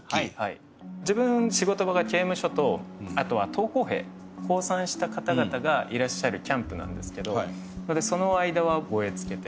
自分仕事場が刑務所とあとは投降兵降参した方々がいらっしゃるキャンプなんですけどその間は護衛つけて。